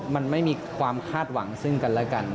มันไม่มีความคาดหวังซึ่งกันและกัน